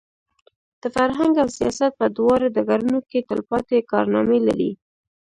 د فرهنګ او سیاست په دواړو ډګرونو کې تلپاتې کارنامې لري.